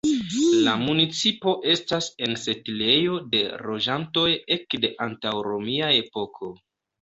La municipo estas en setlejo de loĝantoj ekde antaŭromia epoko.